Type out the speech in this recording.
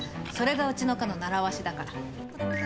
それがうちの課のならわしだから。